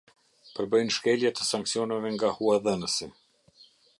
Përbëjnë shkelje të sanksioneve nga Huadhënësi.